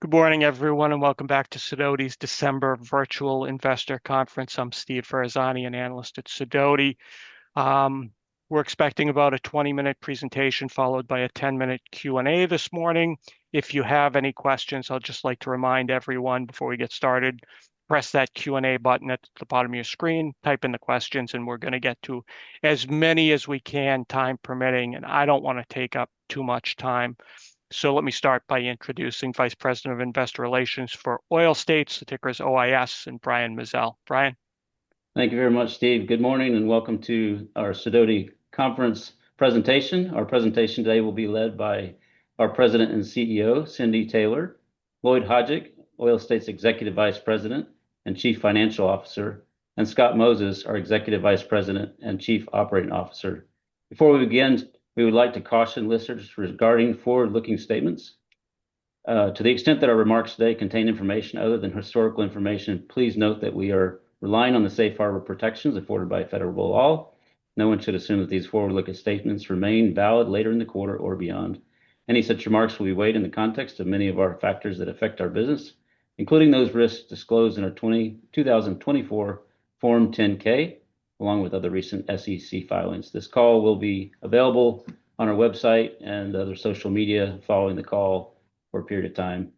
Good morning, everyone, and welcome back to Sidoti's December Virtual Investor Conference. I'm Steve Ferazani, an analyst at Sidoti. We're expecting about a 20-minute presentation followed by a 10-minute Q&A this morning. If you have any questions, I'd just like to remind everyone before we get started: press that Q&A button at the bottom of your screen, type in the questions, and we're going to get to as many as we can, time permitting, and I don't want to take up too much time, so let me start by introducing Vice President of Investor Relations for Oil States, the ticker is OIS, and Brian Mazzell. Brian. Thank you very much, Steve. Good morning and welcome to our Sidoti conference presentation. Our presentation today will be led by our President and CEO, Cindy Taylor, Lloyd Hajdik, Oil States Executive Vice President and Chief Financial Officer, and Scott Moses, our Executive Vice President and Chief Operating Officer. Before we begin, we would like to caution listeners regarding forward-looking statements. To the extent that our remarks today contain information other than historical information, please note that we are relying on the Safe Harbor protections afforded by federal law. No one should assume that these forward-looking statements remain valid later in the quarter or beyond. Any such remarks will be weighed in the context of many of our factors that affect our business, including those risks disclosed in our 2024 Form 10-K, along with other recent SEC filings. This call will be available on our website and other social media following the call for a period of time.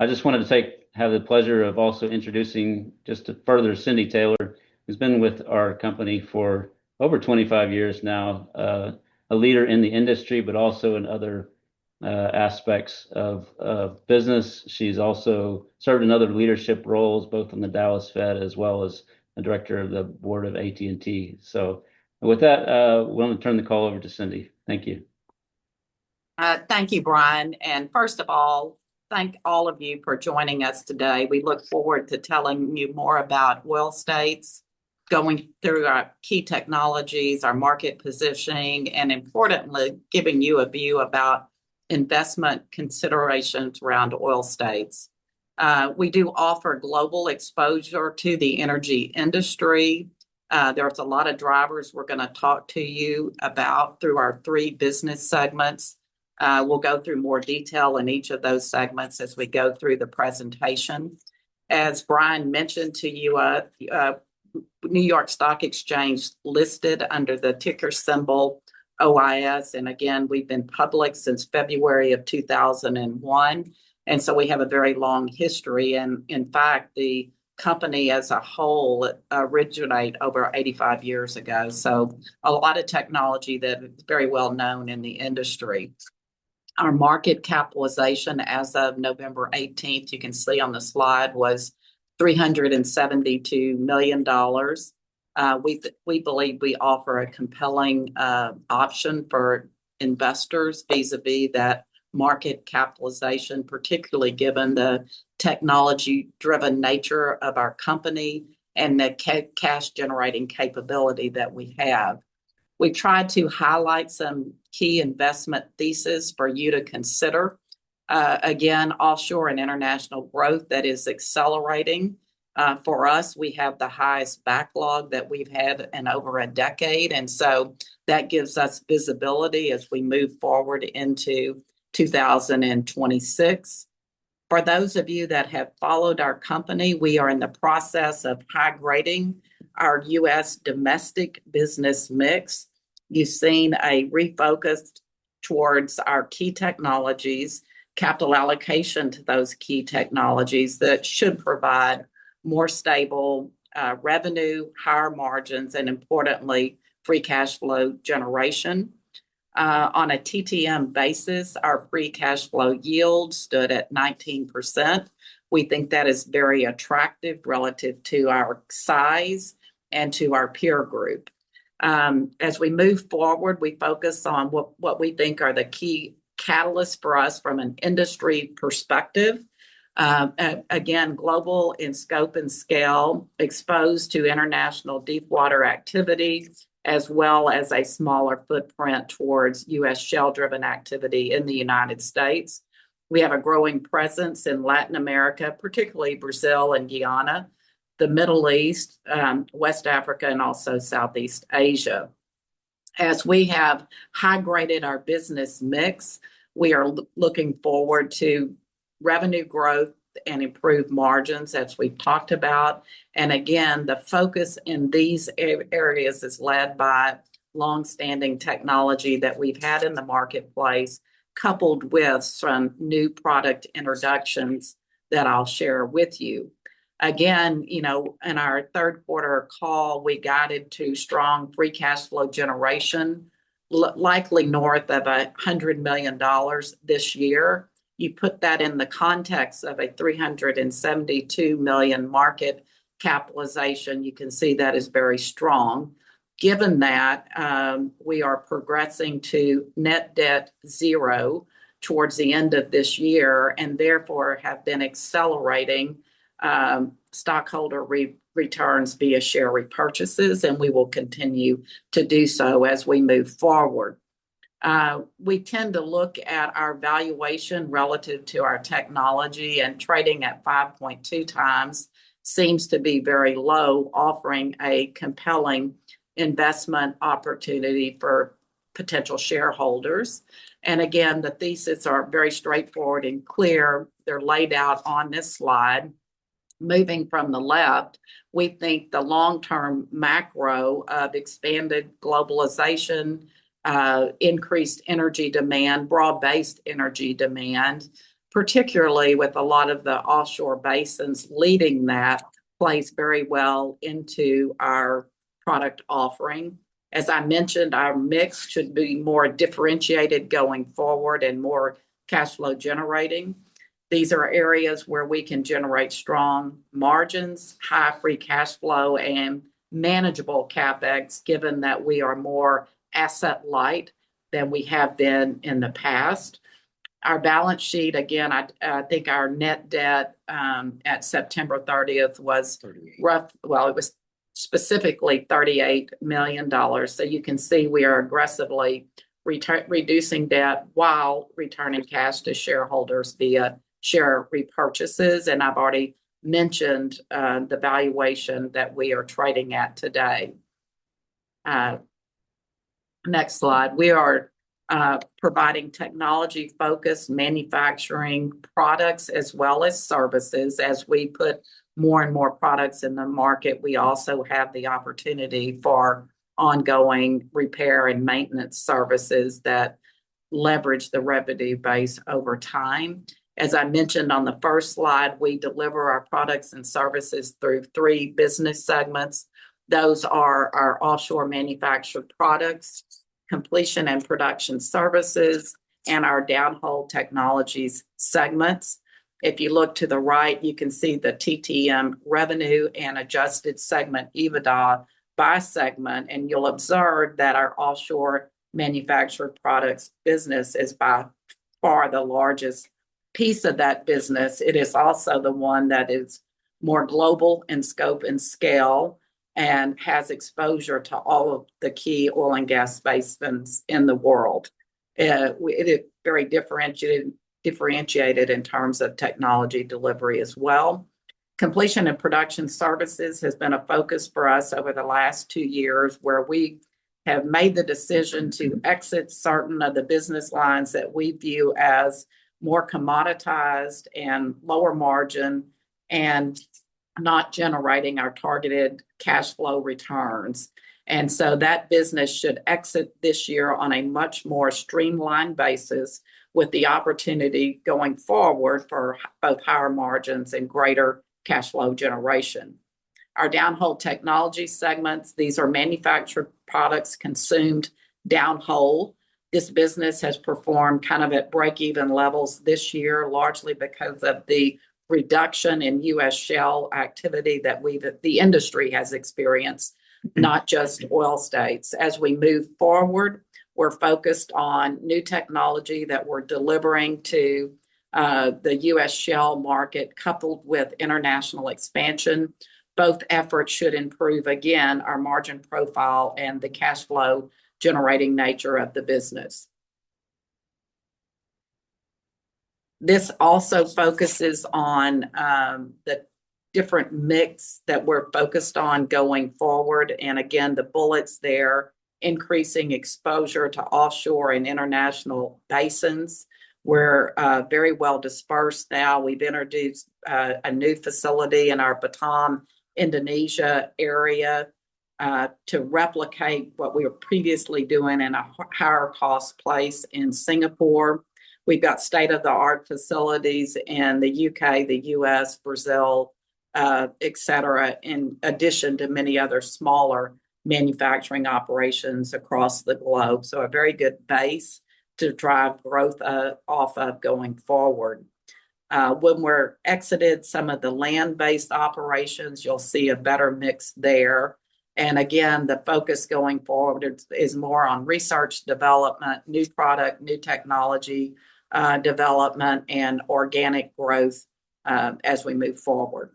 I just wanted to have the pleasure of also introducing just to further Cindy Taylor, who's been with our company for over 25 years now, a leader in the industry, but also in other aspects of business. She's also served in other leadership roles, both in the Dallas Fed as well as the Director of the Board of AT&T. With that, I want to turn the call over to Cindy. Thank you. Thank you, Brian. First of all, thank all of you for joining us today. We look forward to telling you more about Oil States, going through our key technologies, our market positioning, and importantly, giving you a view about investment considerations around Oil States. We do offer global exposure to the energy industry. There's a lot of drivers we're going to talk to you about through our three business segments. We'll go through more detail in each of those segments as we go through the presentation. As Brian mentioned to you, New York Stock Exchange listed under the ticker symbol OIS. Again, we've been public since February of 2001. We have a very long history. In fact, the company as a whole originated over 85 years ago. A lot of technology that is very well known in the industry. Our market capitalization as of November 18, you can see on the slide, was $372 million. We believe we offer a compelling option for investors vis-à-vis that market capitalization, particularly given the technology-driven nature of our company and the cash-generating capability that we have. We've tried to highlight some key investment theses for you to consider. Again, offshore and international growth that is accelerating for us. We have the highest backlog that we've had in over a decade. That gives us visibility as we move forward into 2026. For those of you that have followed our company, we are in the process of high-grading our U.S. domestic business mix. You've seen a refocus towards our key technologies, capital allocation to those key technologies that should provide more stable revenue, higher margins, and importantly, free cash flow generation. On a TTM basis, our free cash flow yield stood at 19%. We think that is very attractive relative to our size and to our peer group. As we move forward, we focus on what we think are the key catalysts for us from an industry perspective. Again, global in scope and scale, exposed to international deep-water activity, as well as a smaller footprint towards U.S. shale-driven activity in the United States. We have a growing presence in Latin America, particularly Brazil and Guyana, the Middle East, West Africa, and also Southeast Asia. As we have high-graded our business mix, we are looking forward to revenue growth and improved margins as we've talked about. Again, the focus in these areas is led by long-standing technology that we've had in the marketplace, coupled with some new product introductions that I'll share with you. Again in our third quarter call, we guided to strong free cash flow generation, likely north of $100 million this year. You put that in the context of a $372 million market capitalization, you can see that is very strong. Given that, we are progressing to net debt zero towards the end of this year and therefore have been accelerating stockholder returns via share repurchases, and we will continue to do so as we move forward. We tend to look at our valuation relative to our technology and trading at 5.2 times seems to be very low, offering a compelling investment opportunity for potential shareholders. Again, the theses are very straightforward and clear. They're laid out on this slide. Moving from the left, the long-term macro of expanded globalization, increased energy demand, broad-based energy demand, particularly with a lot of the offshore basins leading that, plays very well into our product offering. As I mentioned, our mix should be more differentiated going forward and more cash flow generating. These are areas where we can generate strong margins, high free cash flow, and manageable CapEx, given that we are more asset-light than we have been in the past. Our balance sheet, again our net debt at September 30 was specifically $38 million. You can see we are aggressively reducing debt while returning cash to shareholders via share repurchases. 've already mentioned the valuation that we are trading at today. Next slide. We are providing technology-focused manufacturing products as well as services. As we put more and more products in the market, we also have the opportunity for ongoing repair and maintenance services that leverage the revenue base over time. As I mentioned on the first slide, we deliver our products and services through three business segments. Those are our Offshore Manufactured Products, Completion and Production Services, and our Downhole Technologies segments. If you look to the right, you can see the TTM revenue and adjusted segment EBITDA by segment. You'll observe that our Offshore Manufactured Products business is by far the largest piece of that business. It is also the one that is more global in scope and scale and has exposure to all of the key oil and gas basins in the world. It is very differentiated in terms of technology delivery as well. Completion and Production Services has been a focus for us over the last two years where we have made the decision to exit certain of the business lines that we view as more commoditized and lower margin and not generating our targeted cash flow returns, and so that business should exit this year on a much more streamlined basis with the opportunity going forward for both higher margins and greater cash flow generation. Our Downhole Technologies segments, these are manufactured products consumed downhole. This business has performed at break-even levels this year, largely because of the reduction in U.S. shale activity that the industry has experienced, not just Oil States. As we move forward, we're focused on new technology that we're delivering to the U.S. shale market, coupled with international expansion. Both efforts should improve, again, our margin profile and the cash flow generating nature of the business. This also focuses on the different mix that we're focused on going forward. Again, the bullets there, increasing exposure to offshore and international basins. We're very well dispersed now. We've introduced a new facility in our Batam, Indonesia area to replicate what we were previously doing in a higher cost place in Singapore. We've got state-of-the-art facilities in the U.K., the U.S., Brazil, etc., in addition to many other smaller manufacturing operations across the globe. A very good base to drive growth off of going forward. When we've exited some of the land-based operations, you'll see a better mix there. Again, the focus going forward is more on research development, new product, new technology development, and organic growth as we move forward.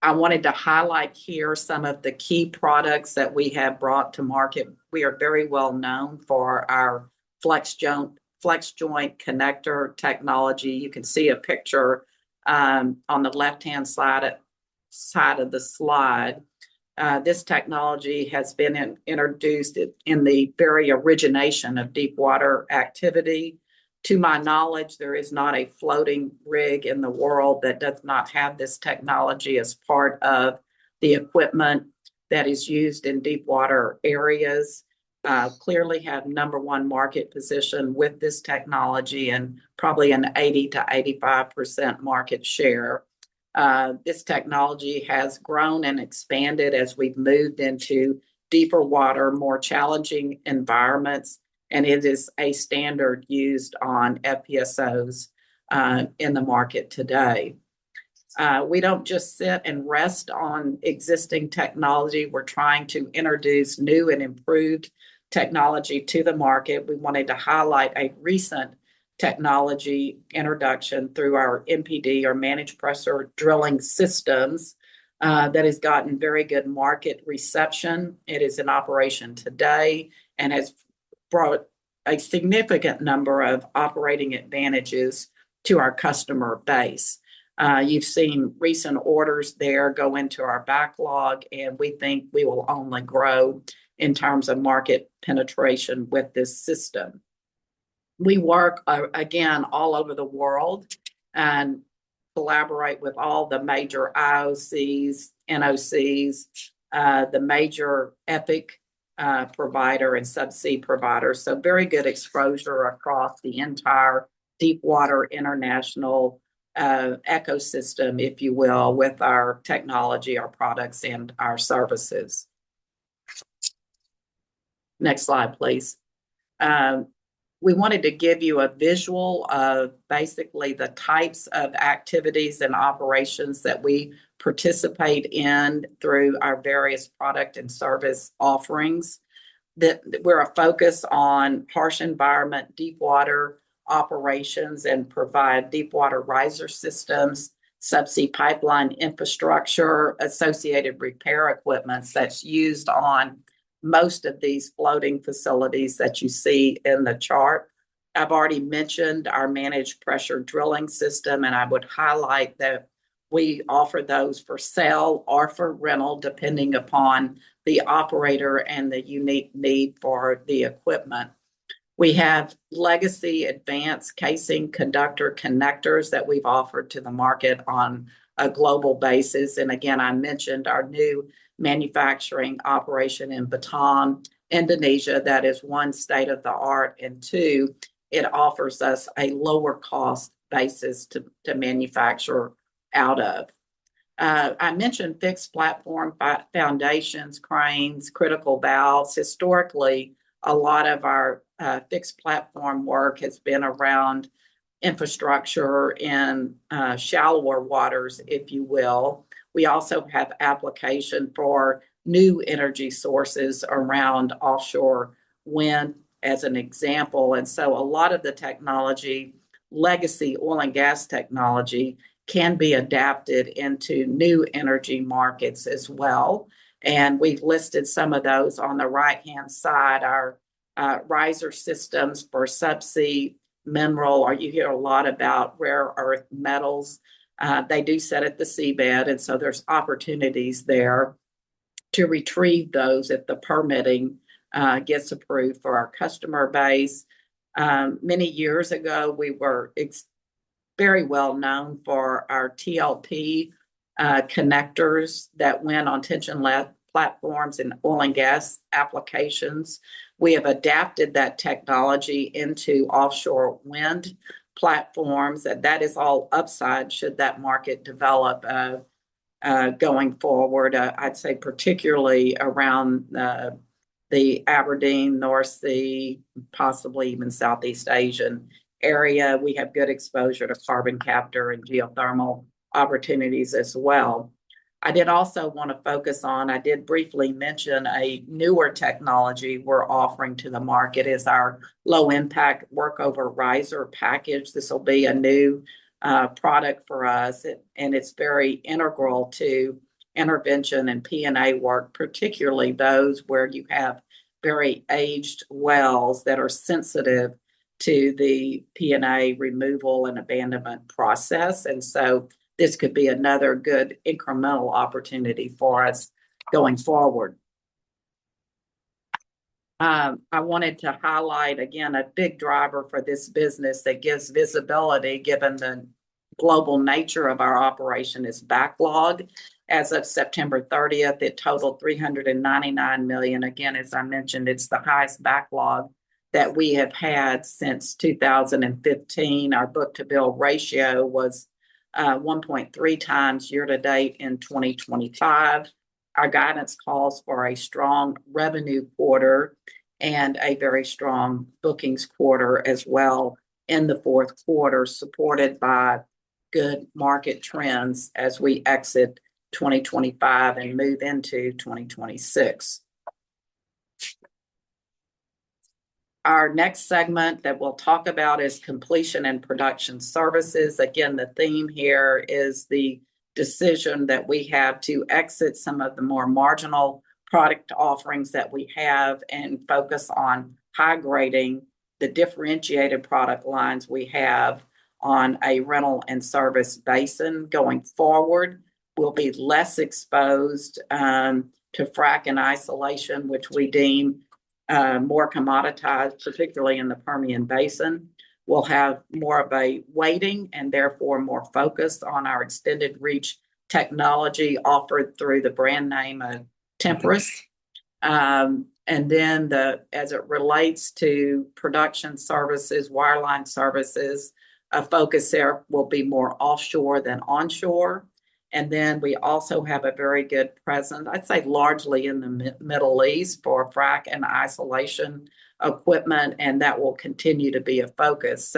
I wanted to highlight here some of the key products that we have brought to market. We are very well known for our Flex Joint connector technology. You can see a picture on the left-hand side of the slide. This technology has been introduced in the very origination of deep-water activity. To my knowledge, there is not a floating rig in the world that does not have this technology as part of the equipment that is used in deep-water areas. Clearly have number one market position with this technology and probably an 80%-85% market share. This technology has grown and expanded as we've moved into deeper water, more challenging environments, and it is a standard used on FPSOs in the market today. We don't just sit and rest on existing technology. We're trying to introduce new and improved technology to the market. We wanted to highlight a recent technology introduction through our MPD, or Managed Pressure Drilling Systems, that has gotten very good market reception. It is in operation today and has brought a significant number of operating advantages to our customer base. You've seen recent orders there go into our backlog, and we think we will only grow in terms of market penetration with this system. We work, again, all over the world and collaborate with all the major IOCs, NOCs, the major EPIC provider and subsea providers. Very good exposure across the entire deep-water international ecosystem, if you will, with our technology, our products, and our services. Next slide, please. We wanted to give you a visual of basically the types of activities and operations that we participate in through our various product and service offerings. We're focused on harsh environment, deep-water operations, and provide deep-water riser systems, Subsea pipeline infrastructure, associated repair equipment that's used on most of these floating facilities that you see in the chart. I've already mentioned our Managed Pressure Drilling system, and I would highlight that we offer those for sale or for rental, depending upon the operator and the unique need for the equipment. We have legacy advanced casing conductor connectors that we've offered to the market on a global basis, and again, I mentioned our new manufacturing operation in Batam, Indonesia. That is one state-of-the-art and two, it offers us a lower-cost basis to manufacture out of. I mentioned Fixed Platform foundations, cranes, critical valves. Historically, a lot of our Fixed Platform work has been around infrastructure in shallower waters, if you will. We also have application for new energy sources around offshore wind as an example. A lot of the technology, legacy oil and gas technology, can be adapted into new energy markets as well. We've listed some of those on the right-hand side, our riser systems for subsea minerals. You hear a lot about rare earth metals. They do sit at the seabed, and so there's opportunities there to retrieve those if the permitting gets approved for our customer base. Many years ago, we were very well known for our TLP connectors that went on tension platforms and oil and gas applications. We have adapted that technology into offshore wind platforms. That is all upside should that market develop going forward. I'd say particularly around the Aberdeen, North Sea, possibly even Southeast Asian area, we have good exposure to carbon capture and geothermal opportunities as well. I did also want to focus on. I did briefly mention a newer technology we're offering to the market is our low-impact workover riser package. This will be a new product for us, and it's very integral to intervention and P&A work, particularly those where you have very aged wells that are sensitive to the P&A removal and abandonment process. This could be another good incremental opportunity for us going forward. I wanted to highlight, again, a big driver for this business that gives visibility given the global nature of our operation is backlog. As of September 30, it totaled $399 million. Again, as I mentioned, it's the highest backlog that we have had since 2015. Our book-to-bill ratio was 1.3 times year-to-date in 2025. Our guidance calls for a strong revenue quarter and a very strong bookings quarter as well in the fourth quarter, supported by good market trends as we exit 2025 and move into 2026. Our next segment that we'll talk about is Completion and Production Services. Again, the theme here is the decision that we have to exit some of the more marginal product offerings that we have and focus on high-grading the differentiated product lines we have on a rental and service basis going forward. We'll be less exposed to frack and isolation, which we deem more commoditized, particularly in the Permian Basin. We'll have more of a weighting and therefore more focus on our extended-reach technology offered through the brand name of Temporis, and then as it relates to production services, wireline services, a focus there will be more offshore than onshore. We also have a very good presence, I'd say largely in the Middle East for frack and isolation equipment, and that will continue to be a focus.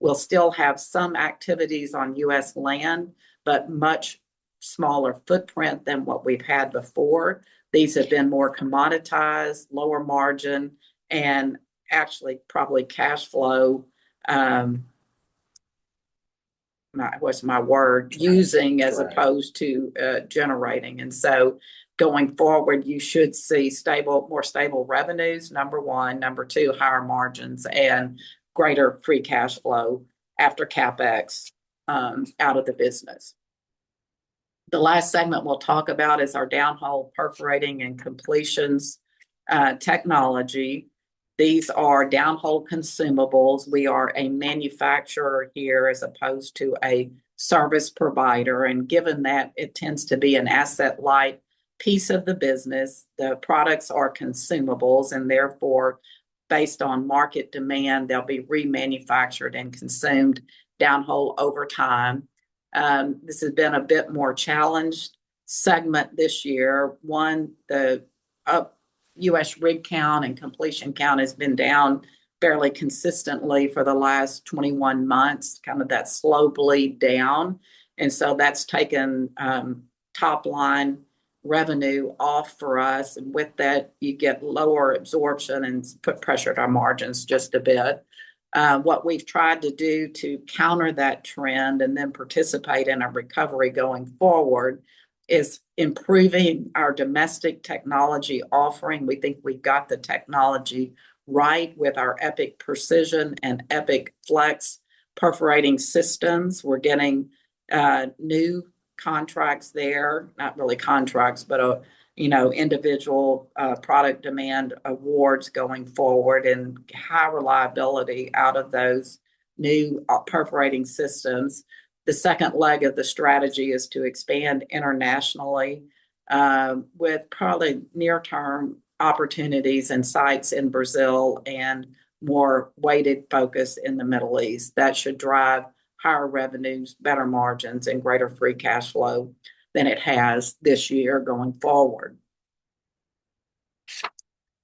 We'll still have some activities on U.S. land, but much smaller footprint than what we've had before. These have been more commoditized, lower margin, and actually probably cash flow was my word, using as opposed to generating. Going forward, you should see more stable revenues, number one. Number two, higher margins and greater free cash flow after CapEx out of the business. The last segment we'll talk about is our downhole perforating and completions technology. These are downhole consumables. We are a manufacturer here as opposed to a service provider. Given that it tends to be an asset-light piece of the business, the products are consumables, and therefore, based on market demand, they'll be remanufactured and consumed downhole over time. This has been a bit more challenged segment this year. One, the U.S. rig count and completion count has been down fairly consistently for the last 21 months, kind of that slow bleed down. That's taken top-line revenue off for us. With that, you get lower absorption and put pressure to our margins just a bit. What we've tried to do to counter that trend and then participate in our recovery going forward is improving our domestic technology offering. We've got the technology right with our EPIC Precision and EPIC Flex perforating systems. We're getting new contracts there, not really contracts, but individual product demand awards going forward and high reliability out of those new perforating systems. The second leg of the strategy is to expand internationally with probably near-term opportunities and sites in Brazil and more weighted focus in the Middle East. That should drive higher revenues, better margins, and greater free cash flow than it has this year going forward.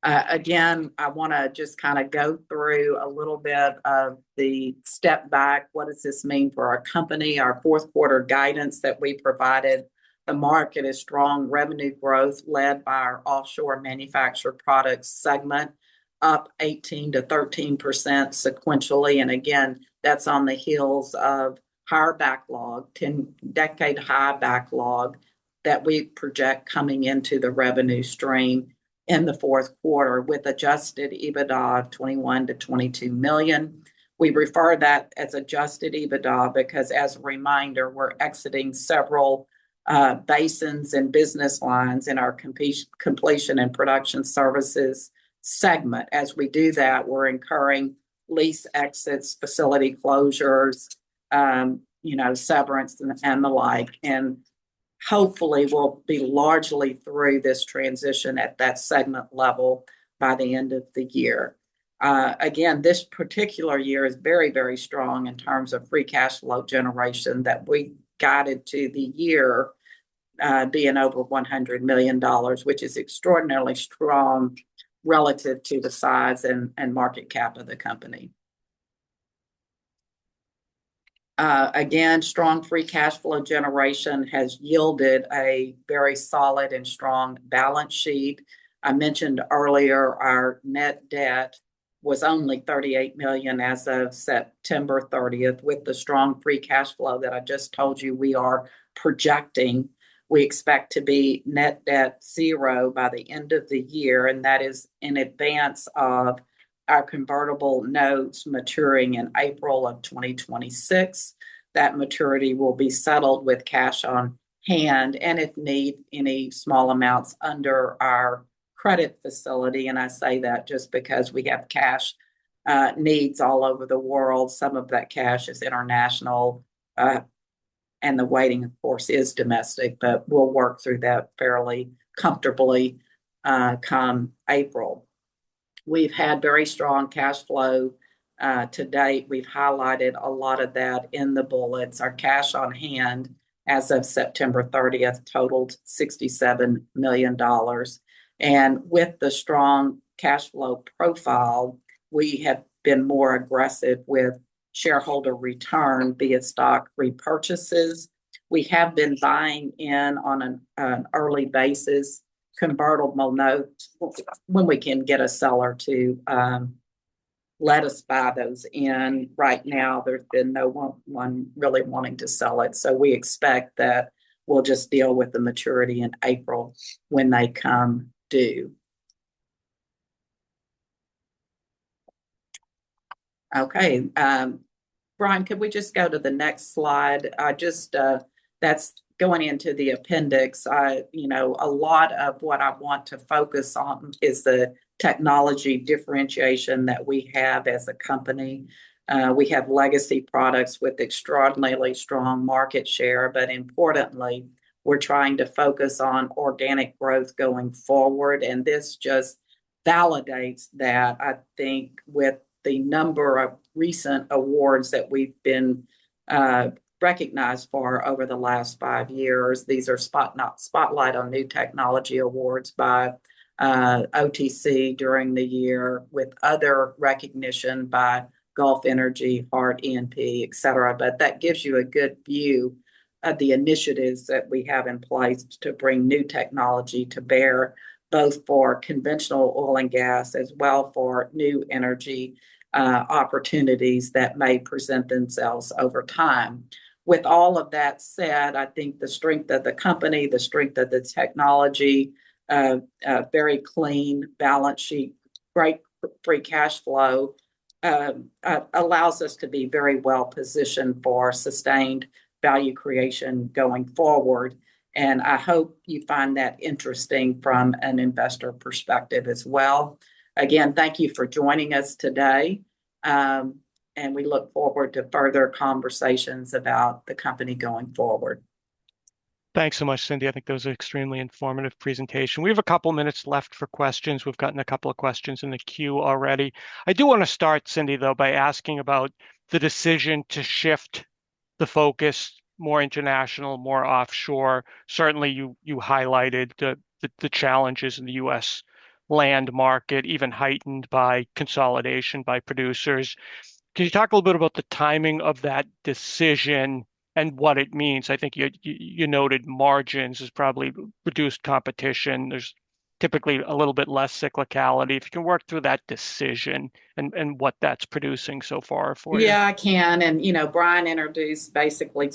Again, I want to just kind of go through a little bit of the step back. What does this mean for our company? Our fourth quarter guidance that we provided. The market is strong revenue growth led by our Offshore Manufactured Products segment, up 13%-18% sequentially. Again, that's on the heels of higher backlog, decade-high backlog that we project coming into the revenue stream in the fourth quarter with adjusted EBITDA of $21 million-$22 million. We refer to that as adjusted EBITDA because, as a reminder, we're exiting several basins and business lines in our Completion and Production Services segment. As we do that, we're incurring lease exits, facility closures, severance, and the like, and hopefully, we'll be largely through this transition at that segment level by the end of the year. Again, this particular year is very, very strong in terms of Free Cash Flow generation that we guided to the year being over $100 million, which is extraordinarily strong relative to the size and market cap of the company. Again, strong Free Cash Flow generation has yielded a very solid and strong balance sheet. I mentioned earlier our net debt was only $38 million as of September 30. With the strong free cash flow that I just told you, we are projecting, we expect to be net debt zero by the end of the year, and that is in advance of our convertible notes maturing in April of 2026. That maturity will be settled with cash on hand and, if need, any small amounts under our credit facility, and I say that just because we have cash needs all over the world. Some of that cash is international, and the waiting, of course, is domestic, but we'll work through that fairly comfortably come April. We've had very strong cash flow to date. We've highlighted a lot of that in the bullets. Our cash on hand as of September 30 totaled $67 million, and with the strong cash flow profile, we have been more aggressive with shareholder return via stock repurchases. We have been buying in on an early basis, convertible notes when we can get a seller to let us buy those in. Right now, there's been no one really wanting to sell it. We expect that we'll just deal with the maturity in April when they come due. Okay. Brian, could we just go to the next slide? That's going into the appendix. A lot of what I want to focus on is the technology differentiation that we have as a company. We have legacy products with extraordinarily strong market share. Importantly, we're trying to focus on organic growth going forward. This just validates that, I think, with the number of recent awards that we've been recognized for over the last five years. These are spotlight on new technology awards by OTC during the year with other recognition by Gulf Energy, Hart, ENP, etc. That gives you a good view of the initiatives that we have in place to bring new technology to bear, both for conventional oil and gas as well for new energy opportunities that may present themselves over time. With all of that said, the strength of the company, the strength of the technology, very clean balance sheet, great free cash flow allows us to be very well positioned for sustained value creation going forward. I hope you find that interesting from an investor perspective as well. Again, thank you for joining us today. We look forward to further conversations about the company going forward. Thanks so much, Cindy. That was an extremely informative presentation. We have a couple of minutes left for questions. We've gotten a couple of questions in the queue already. I do want to start, Cindy, though, by asking about the decision to shift the focus more international, more offshore. Certainly, you highlighted the challenges in the U.S. land market, even heightened by consolidation by producers. Can you talk a little bit about the timing of that decision and what it means? You noted margins has probably reduced competition. There's typically a little bit less cyclicality. If you can work through that decision and what that's producing so far for you. Yeah, I can, and Brian introduced basically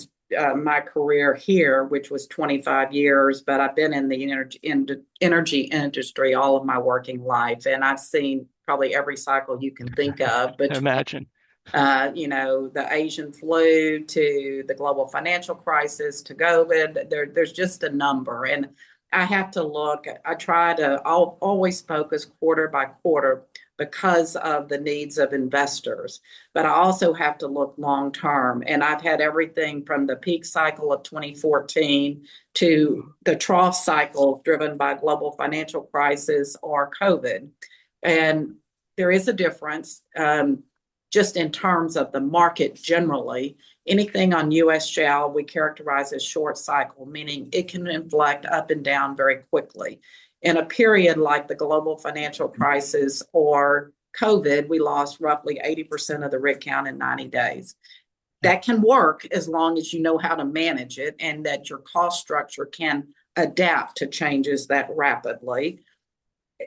my career here, which was 25 years, but I've been in the energy industry all of my working life, and I've seen probably every cycle you can think of. I can imagine. The Asian flu to the global financial crisis to COVID. There's just a number, and I have to look. I try to always focus quarter by quarter because of the needs of investors, but I also have to look long-term, and I've had everything from the peak cycle of 2014 to the trough cycle driven by global financial crisis or COVID, and there is a difference just in terms of the market generally. Anything on U.S. shale we characterize as short cycle, meaning it can inflect up and down very quickly. In a period like the global financial crisis or COVID, we lost roughly 80% of the rig count in 90 days. That can work as long as you know how to manage it and that your cost structure can adapt to changes that rapidly.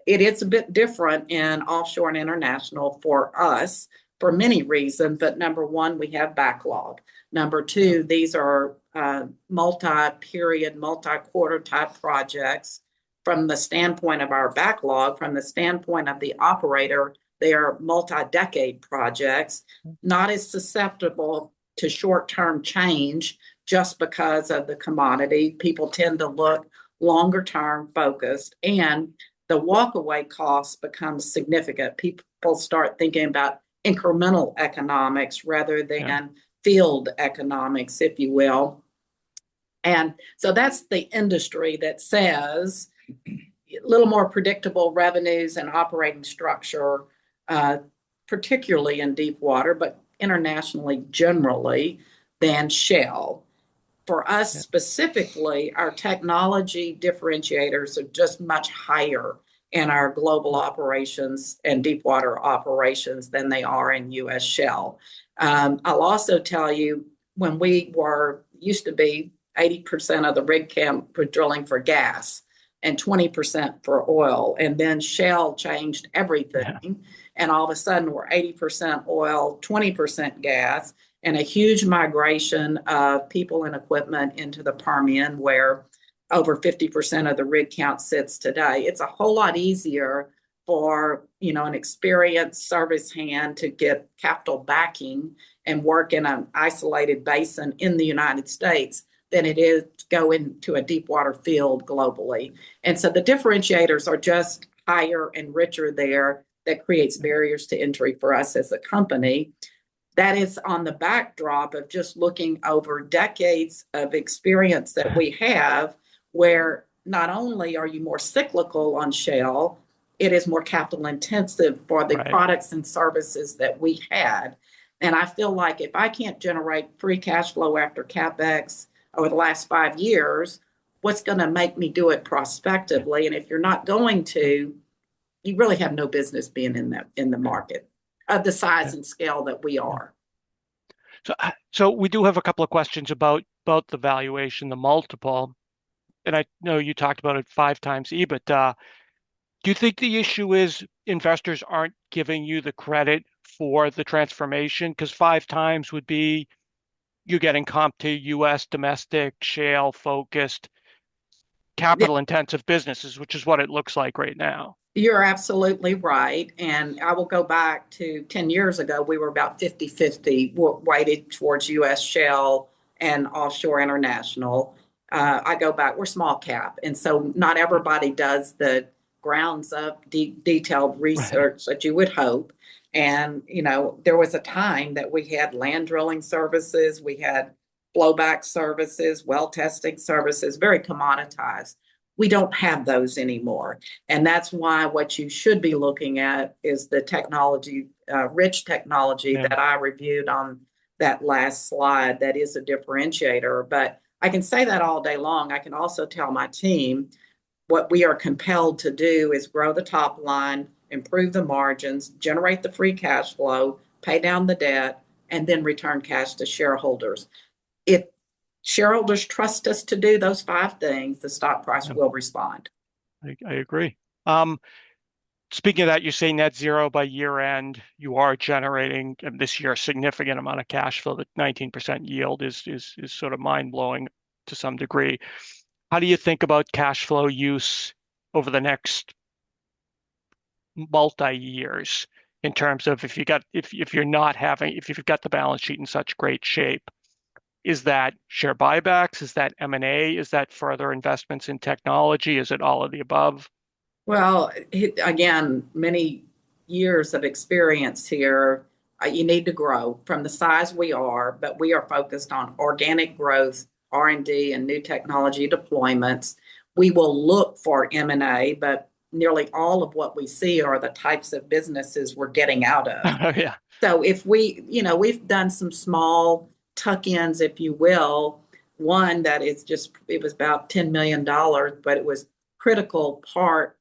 It is a bit different in offshore and international for us for many reasons, but number one, we have backlog. Number two, these are multi-period, multi-quarter type projects. From the standpoint of our backlog, from the standpoint of the operator, they are multi-decade projects, not as susceptible to short-term change just because of the commodity. People tend to look longer-term focused, and the walk-away cost becomes significant. People start thinking about incremental economics rather than field economics, if you will, and so that's the industry that has a little more predictable revenues and operating structure, particularly in deep water, but internationally generally than shale. For us specifically, our technology differentiators are just much higher in our global operations and deep water operations than they are in U.S. shale. I'll also tell you, when we used to be 80% of the rig count were drilling for gas and 20% for oil, and then shale changed everything. All of a sudden, we're 80% oil, 20% gas, and a huge migration of people and equipment into the Permian where over 50% of the rig count sits today. It's a whole lot easier for an experienced service hand to get capital backing and work in an isolated basin in the United States than it is going to a deep water field globally. The differentiators are just higher and richer there that creates barriers to entry for us as a company. That is on the backdrop of just looking over decades of experience that we have where not only are you more cyclical on shale, it is more capital-intensive for the products and services that we had. I feel like if I can't generate free cash flow after CapEx over the last five years, what's going to make me do it prospectively? And if you're not going to, you really have no business being in the market of the size and scale that we are. We do have a couple of questions about both the valuation, the multiple. I know you talked about it five times EBITDA, but do you think the issue is investors aren't giving you the credit for the transformation? Because five times would be you're getting comp to U.S. domestic shale-focused capital-intensive businesses, which is what it looks like right now. You're absolutely right. I will go back to 10 years ago. We were about 50/50 weighted toward U.S. shale and offshore international. Going back, we're small cap. Not everybody does the groundwork of detailed research that you would hope. There was a time that we had land drilling services. We had flowback services, well testing services, very commoditized. We don't have those anymore, and that's why what you should be looking at is the technology-rich technology that I reviewed on that last slide that is a differentiator, but I can say that all day long. I can also tell my team what we are compelled to do is grow the top line, improve the margins, generate the free cash flow, pay down the debt, and then return cash to shareholders. If shareholders trust us to do those five things, the stock price will respond. I agree. Speaking of that, you're saying net zero by year-end. You are generating this year a significant amount of cash flow. The 19% yield is mind-blowing to some degree. How do you think about cash flow use over the next multi-years in terms of if you've got the balance sheet in such great shape? Is that share buybacks? Is that M&A? Is that further investments in technology? Is it all of the above? Well, again, many years of experience here. You need to grow from the size we are, but we are focused on organic growth, R&D, and new technology deployments. We will look for M&A, but nearly all of what we see are the types of businesses we're getting out of. if we've done some small tuck-ins, if you will, one that is just it was about $10 million, but it was a critical part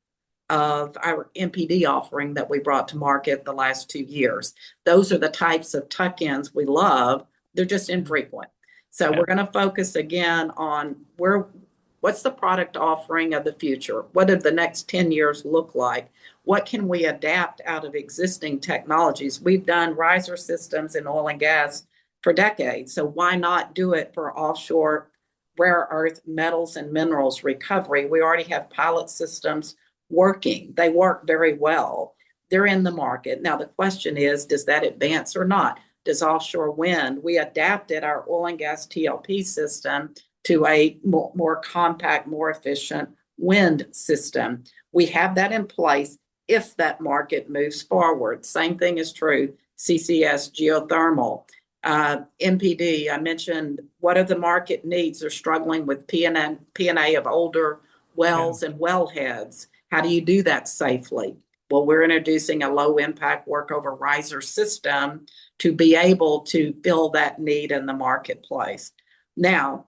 of our MPD offering that we brought to market the last two years. Those are the types of tuck-ins we love. They're just infrequent. We're going to focus again on what's the product offering of the future? What do the next 10 years look like? What can we adapt out of existing technologies? We've done riser systems in oil and gas for decades. Why not do it for offshore rare earth metals and minerals recovery? We already have pilot systems working. They work very well. They're in the market. Now, the question is, does that advance or not? Does offshore wind? We adapted our oil and gas TLP system to a more compact, more efficient wind system. We have that in place if that market moves forward. Same thing is true, CCS, geothermal, MPD. I mentioned what are the market needs? They're struggling with P&A of older wells and wellheads. How do you do that safely? We're introducing a low-impact workover riser system to be able to fill that need in the marketplace. Now,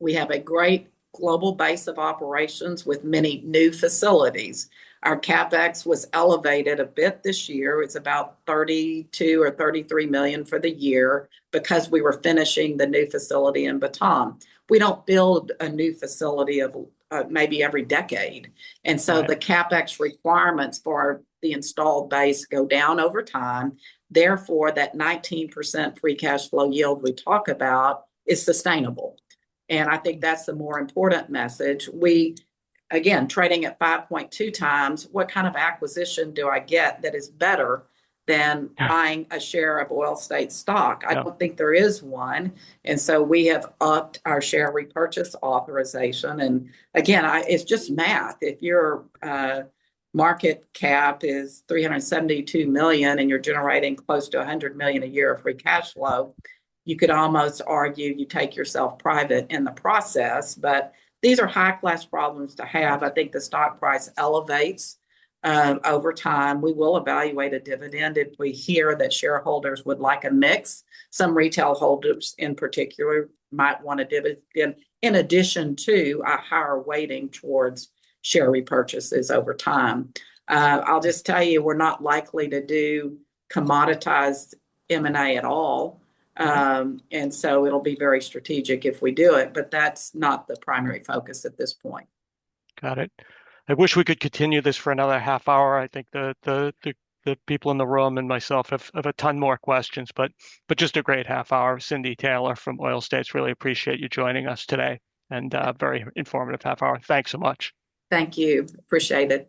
we have a great global base of operations with many new facilities. Our CapEx was elevated a bit this year. It's about $32 million-$33 million for the year because we were finishing the new facility in Batam. We don't build a new facility maybe every decade. The CapEx requirements for the installed base go down over time. Therefore, that 19% free cash flow yield we talk about is sustainable. That's the more important message. Again, trading at 5.2 times, what kind of acquisition do I get that is better than buying a share of Oil States stock? I don't think there is one. We have upped our share repurchase authorization. Again, it's just math. If your market cap is $372 million and you're generating close to $100 million a year of free cash flow, you could almost argue you take yourself private in the process. These are high-class problems to have. The stock price elevates over time. We will evaluate a dividend if we hear that shareholders would like a mix. Some retail holders in particular might want a dividend in addition to a higher weighting towards share repurchases over time. I'll just tell you, we're not likely to do commoditized M&A at all. It'll be very strategic if we do it, but that's not the primary focus at this point. Got it. I wish we could continue this for another half hour. The people in the room and myself have a ton more questions, but just a great half hour. Cindy Taylor from Oil States, really appreciate you joining us today and very informative half hour. Thanks so much. Thank you. Appreciate it.